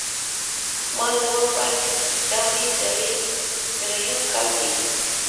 ما ځواب ورکړ، دا مې درېیم کال دی.